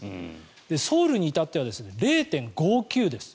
ソウルに至っては０．５９です。